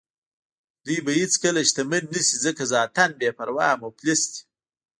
دوی به هېڅکله شتمن نه شي ځکه ذاتاً بې پروا او مفلس دي.